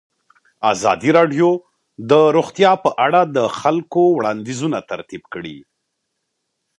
ازادي راډیو د روغتیا په اړه د خلکو وړاندیزونه ترتیب کړي.